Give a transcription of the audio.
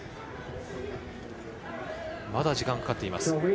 まだ時間がかかっています。